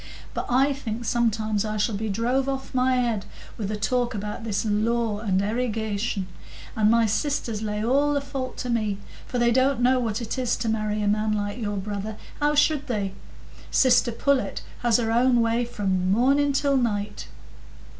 But I think sometimes I shall be drove off my head with the talk about this law and erigation; and my sisters lay all the fault to me, for they don't know what it is to marry a man like your brother; how should they? Sister Pullet has her own way from morning till night."